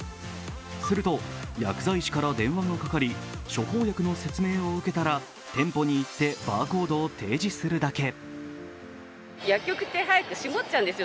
すると薬剤師から電話がかかり処方薬の説明を受けたら店舗に行って、バーコードを提示するだけ。